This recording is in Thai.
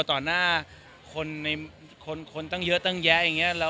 ต่อหน้าคนในคนตั้งเยอะตั้งแยะอย่างนี้